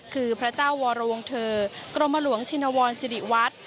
คือพระเจ้าวรวงเทอร์กรมหลวงชินวรสิริวัฒน์